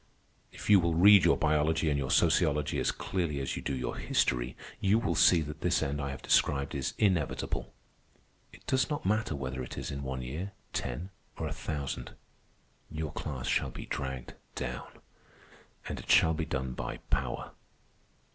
If you will read your biology and your sociology as clearly as you do your history, you will see that this end I have described is inevitable. It does not matter whether it is in one year, ten, or a thousand—your class shall be dragged down. And it shall be done by power.